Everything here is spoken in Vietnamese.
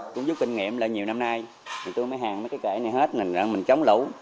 cũng giúp kinh nghiệm là nhiều năm nay mình tươi mấy hàng mấy cái cải này hết mình chống lũ